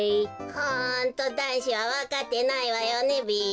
ホントだんしはわかってないわよねべ。